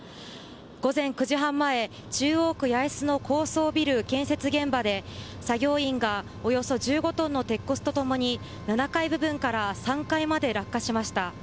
午前９時半前、中央区八重洲の高層ビル建設現場で作業員がおよそ１５トンの鉄骨と共に７階部分から３階まで落下しました。